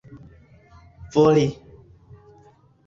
voli